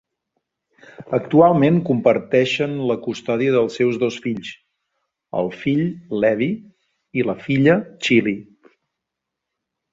Actualment comparteixen la custòdia dels seus dos fills: el fill, Levi, i la filla, Chilli.